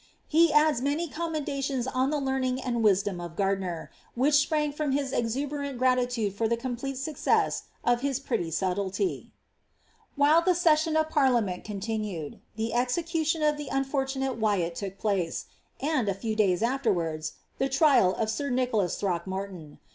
^ He adds many commendations on the leamiof and wisdom of Gardiner, which sprang from his exuberant gratitude for the complete success of his ^ pretty subtlety.^ Whilst the session of parliament continued, the execution of the vnfortunate Wyatt took place, and, a few da3rs afterwards, the trial of air Nicholas Throckmorton.